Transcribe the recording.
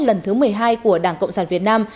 lần thứ một mươi hai của đảng cộng sản việt nam